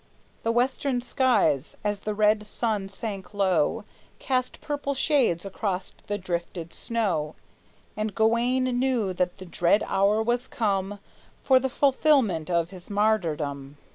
The western skies, as the red sun sank low, Cast purple shades across the drifted snow, And Gawayne knew that the dread hour was come For the fulfillment of his martyrdom.